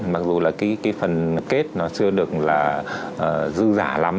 mặc dù là cái phần kết nó chưa được là dư giả lắm